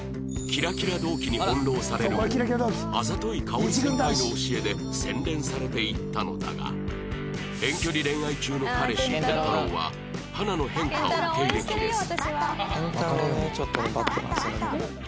キラキラ同期に翻弄されるもあざとい香織先輩の教えで洗練されていったのだが遠距離恋愛中の彼氏健太郎は花の変化を受け入れきれず